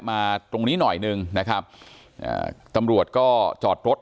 อยากให้สังคมรับรู้ด้วย